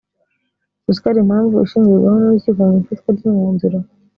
uziko ari impamvu ishingirwaho n urukiko mu ifatwa ryumwanzuro